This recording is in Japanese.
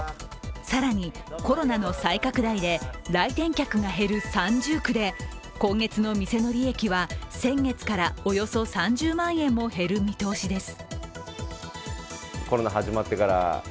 更にコロナの再拡大で来店客が減る三重苦で今月の店の利益は先月からおよそ３０万円も減る見通しです。